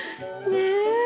ねえ。